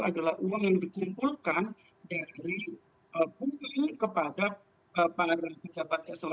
adalah uang yang dikumpulkan dari pungli kepada para pejabat so